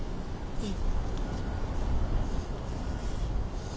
うん。